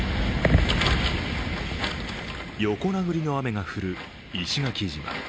横殴りの雨が降る石垣島。